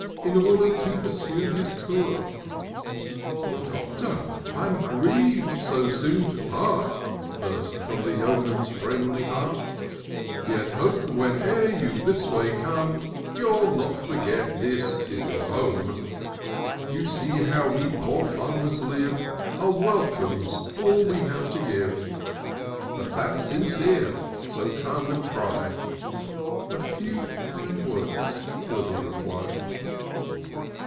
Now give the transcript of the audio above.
In order to pursue his tour. " Doctor, I'm griev'd so soon to part," Burst from the Yeoman's friendly heart; " Yet hope, whene'er you this way come, Youll not forget this is your home :— You see how we poor farmers live, — A welcome's all we have to give; But that's sincere — so come and try." A few kind words were the reply.